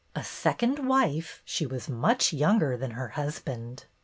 A second wife, she was much younger than her husband.